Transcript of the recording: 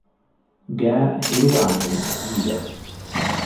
ގައި ހިރުވާހެން ހީވެ